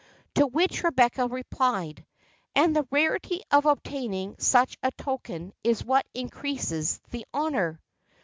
To which Rebecca replied, "And the rarity of obtaining such a token is what increases the honour."